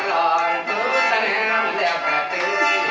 หล่อตื่นต้านหน้ามีเหนือกระตื้อ